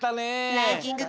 ランキング